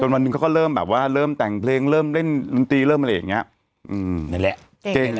วันหนึ่งเขาก็เริ่มแบบว่าเริ่มแต่งเพลงเริ่มเล่นดนตรีเริ่มอะไรอย่างเงี้ยอืมนั่นแหละ